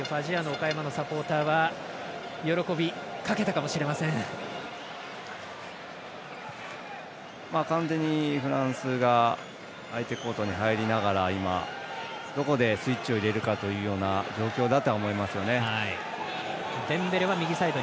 岡山のサポーターは完全にフランスが相手コートに入りながら今どこでスイッチを入れるかというような状況だとは思いますよね。